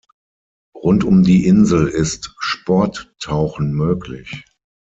Rund um die Insel ist Sporttauchen möglich.